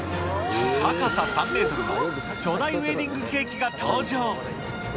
高さ３メートルの巨大ウエディングケーキが登場。